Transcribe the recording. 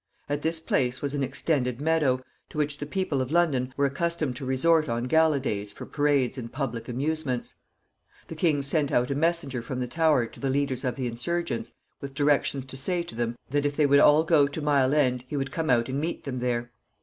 At this place was an extended meadow, to which the people of London were accustomed to resort on gala days for parades and public amusements. The king sent out a messenger from the Tower to the leaders of the insurgents with directions to say to them that if they would all go to Mile End, he would come out and meet them there.